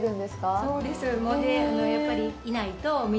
そうです。